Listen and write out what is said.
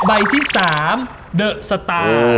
ใบที่๓เดอะสตาร์